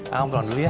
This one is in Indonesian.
ah aku pulang dulu ya